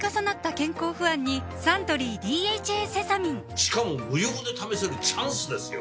しかも無料で試せるチャンスですよ